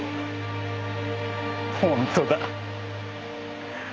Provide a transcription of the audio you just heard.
本当だ。